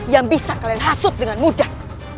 yang bisa kalian hasut dengan mudah